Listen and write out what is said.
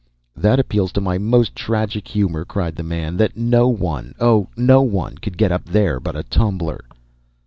"That appeals to my most tragic humor," cried the man, "that no one oh, no one could get up there but a tumbler."